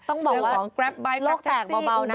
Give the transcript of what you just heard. ต้องบอกว่าโลกแตกเบานะ